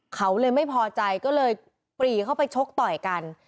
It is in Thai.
เขาเลยไม่พอใจก็เลยปรีเข้าไปชกต่อยกัน